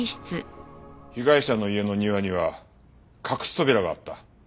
被害者の家の庭には隠し扉があった。